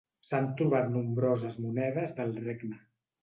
S'han trobat nombroses monedes del regne.